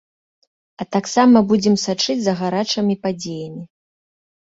А таксама будзем сачыць за гарачымі падзеямі.